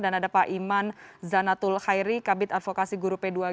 dan ada pak iman zanatul khairi kabit advokasi gubernur